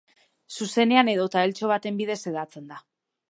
Zuzenean edota eltxo baten bidez hedatzen da.